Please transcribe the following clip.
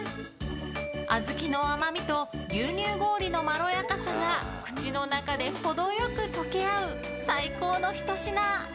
小豆の甘みと牛乳氷のまろやかさが口の中で程良く溶け合う最高のひと品！